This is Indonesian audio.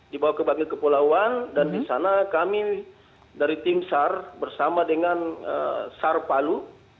dibawa ke bagian kepulauan dan di sana kami dari tim sar bersama dengan sar palu